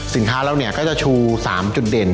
สินค้าเราเนี่ยก็จะชู๓จุดเด่น